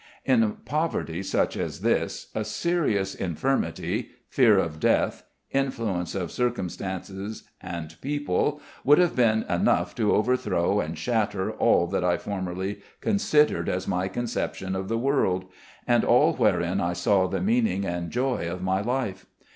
In poverty such as this a serious infirmity, fear of death, influence of circumstances and people would have been enough to overthrow and shatter all that I formerly considered as my conception of the world, and all wherein I saw the meaning and joy of my life.